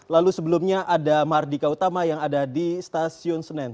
lalu sebelumnya ada mardika utama yang ada di stasiun senen